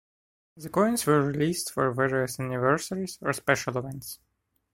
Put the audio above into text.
The coins were released for various anniversaries or special events.